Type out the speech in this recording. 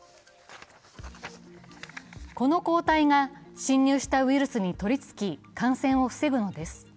この抗体が侵入したウイルスにとりつき、感染を防ぐのです。